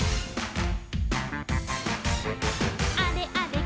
「あれあれ？